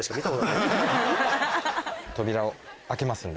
扉を開けますんで。